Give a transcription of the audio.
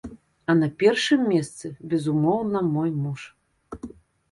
А на першым месцы безумоўна мой муж.